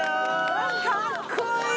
うわかっこいい！